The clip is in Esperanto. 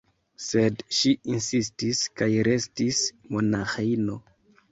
Sed ŝi insistis kaj restis monaĥino.